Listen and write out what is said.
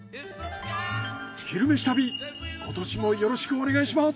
今年もよろしくお願いします。